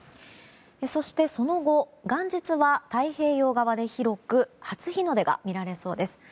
そして、その後元日は太平洋側で広く初日の出が見られそうです。